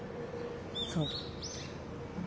そう。